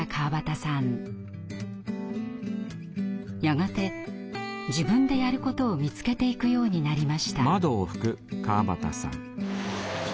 やがて自分でやることを見つけていくようになりました。